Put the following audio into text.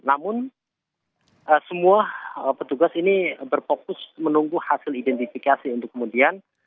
namun semua petugas ini berfokus menunggu hasil identifikasi untuk kemudian